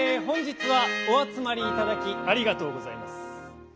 本日はおあつまりいただきありがとうございます。